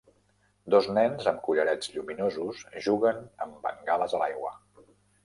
Dos nens amb collarets lluminosos juguen amb bengales a l'aigua.